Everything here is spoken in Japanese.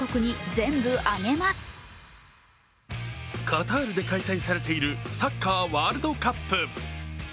カタールで開催されているサッカー・ワールドカップ。